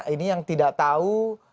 ini yang tidak tahu